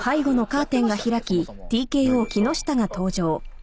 あっ。